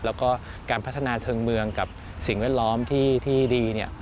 แล้วก็การพัฒนาเทิงเมืองกับสิ่งแวดล้อมที่ดี